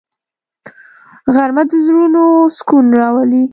غرمه د زړونو سکون راولي